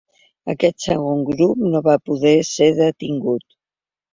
Aquest segon grup no va poder ser detingut.